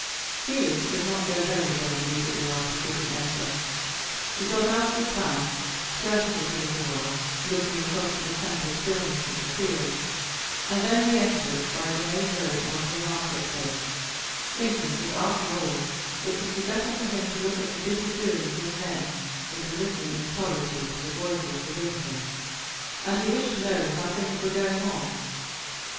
_ Felix could not go home again immediately after quitting Esther. He got out of the town, skirted it a little while, looking across the December stillness of the fields, and then re entered it by the main road into the market place, thinking that, after all, it would be better for him to look at the busy doings of men than to listen in solitude to the voices within him; and he wished to know how things were going on.